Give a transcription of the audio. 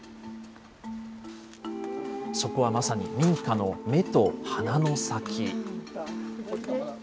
そこはまさに民家の目と鼻の先。